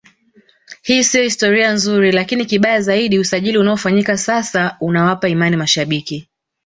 Hii sio historia nzuri lakini kibaya zaidi usajili unaofanyika sasa unawapa imani mashabiki